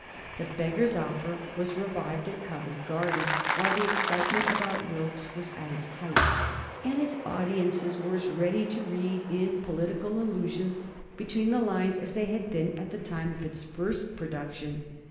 "The Beggar's Opera" was revived at Covent Garden while the excitement about Wilkes was at its height, and its audiences were as ready to read in political allusions between the lines as they had been at the time of its first production.